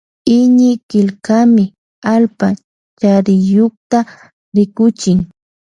Iñikillkami allpa chariyukta rikuchin.